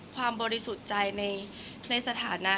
ความบริสุจรรย์ในสถานะ